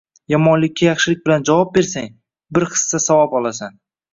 Yomonlikka yaxshilik bilan javob bersang, bir hissa savob olasan.